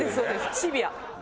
シビア。